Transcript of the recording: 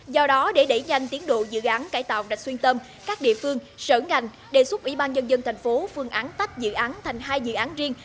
do đó để đẩy nhanh tiến độ dự án cải tạo rạch xuyên tâm các địa phương sở ngành đề xuất ủy ban nhân dân thành phố phương án tách dự án thành hai dự án riêng